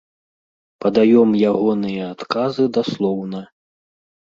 Падаём ягоныя адказы даслоўна.